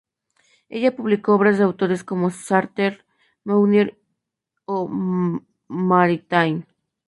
En ella publicó obras de autores como Sartre, Mounier, o Maritain.